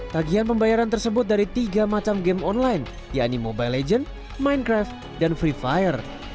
tagian pembayaran tersebut dari tiga macam game online yaitu mobile legends minecraft dan mobile legends